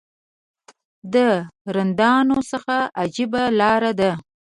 د رندانو څه عجیبه لاره ده.